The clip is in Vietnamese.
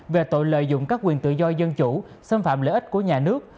về tội lợi dụng các quyền tự do dân chủ xâm phạm lợi ích của nhà nước